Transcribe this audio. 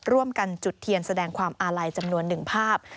จุดเทียนแสดงความอาลัยจำนวน๑ภาพ